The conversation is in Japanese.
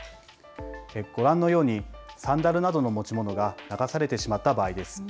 ご覧のようにサンダルなどの持ち物が流されてしまった場合です。